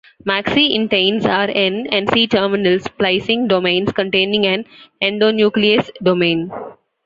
Maxi-inteins are N- and C-terminal splicing domains containing an endonuclease domain.